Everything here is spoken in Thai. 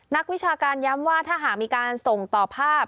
วิชาการย้ำว่าถ้าหากมีการส่งต่อภาพ